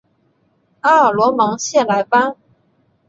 阿尔罗芒谢莱班。